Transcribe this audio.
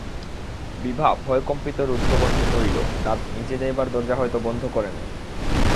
বিভা ভয়কম্পিত রুদ্ধকণ্ঠে কহিল, দাদা, নিচে যাইবার দরজা হয়তো বন্ধ করে নাই।